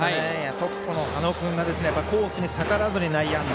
トップの土野君がコースに逆らわずに内野安打。